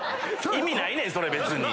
意味ないねんそれ別に。